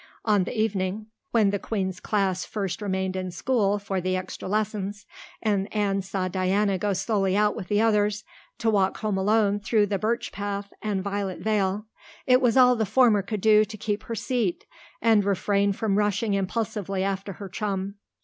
On the evening when the Queen's class first remained in school for the extra lessons and Anne saw Diana go slowly out with the others, to walk home alone through the Birch Path and Violet Vale, it was all the former could do to keep her seat and refrain from rushing impulsively after her chum.